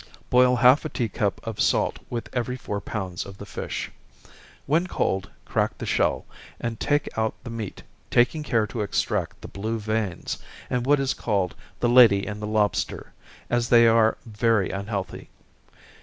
Boil half a tea cup of salt with every four pounds of the fish. When cold, crack the shell, and take out the meat, taking care to extract the blue veins, and what is called the lady in the lobster, as they are very unhealthy.